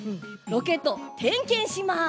ロケットてんけんします！